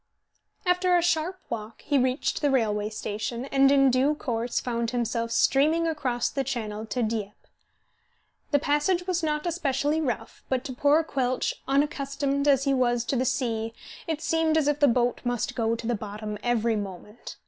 After a sharp walk he reached the railway station, and in due course found himself steaming across the Channel to Dieppe. The passage was not especially rough, but to poor Quelch, unaccustomed as he was to the sea, it seemed as if the boat must go to the bottom every moment.